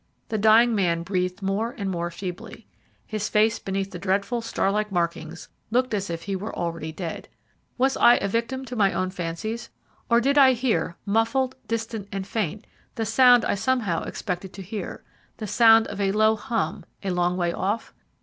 The dying man breathed more and more feebly. His face beneath the dreadful star like markings looked as if he were already dead. Was I a victim to my own fancies, or did I hear muffled, distant and faint the sound I somehow expected to hear the sound of a low hum a long way off?